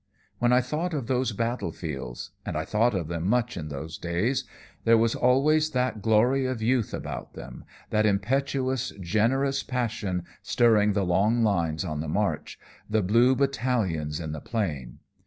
When I thought of those battlefields and I thought of them much in those days there was always that glory of youth above them, that impetuous, generous passion stirring the long lines on the march, the blue battalions in the plain.